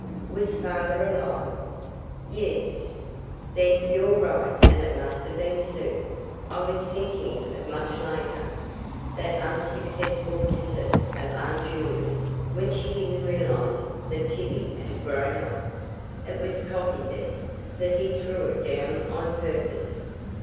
"Was Father alive?" "Yes." "Then you're right and it must have been soup. I was thinking of much later that unsuccessful visit of Aunt Juley's, when she didn't realize that Tibby had grown up. It was coffee then, for he threw it down on purpose.